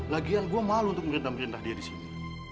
lagian gue malu untuk merendah merendah dia di sini